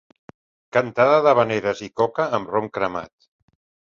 Cantada d'havaneres i coca amb rom cremat.